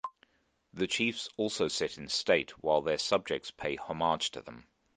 The chiefs also sit in state while their subjects pay homage to them.